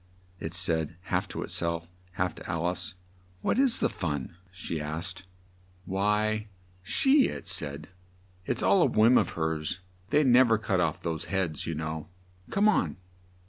it said, half to it self, half to Alice. "What is the fun?" she asked. "Why, she," it said. "It's all a whim of hers; they nev er cut off those heads, you know. Come on."